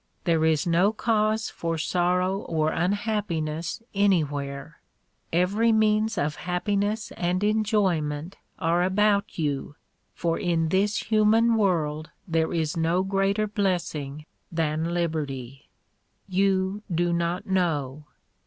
There is no cause for sorrow or unhappiness anywhere ; every means of hap piness and enjoyment are about you, for in this human world there is no greater blessing than liberty. You do not know.